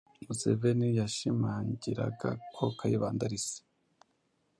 Museveni yashimangiraga ko Kayibanda ari se.